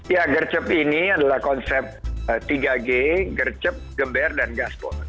ya gercep ini adalah konsep tiga g gercep geber dan gaspol